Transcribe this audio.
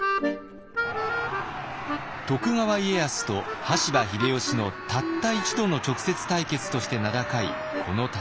徳川家康と羽柴秀吉のたった一度の直接対決として名高いこの戦い。